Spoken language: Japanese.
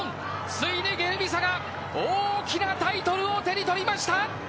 ついにゲルミサが大きなタイトルを手に取りました。